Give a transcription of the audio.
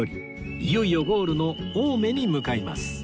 いよいよゴールの青梅に向かいます